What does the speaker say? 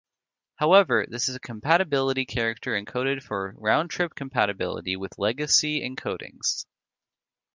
However, this is a compatibility character encoded for roundtrip compatibility with legacy encodings.